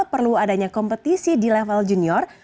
perlu adanya kompetisi di level junior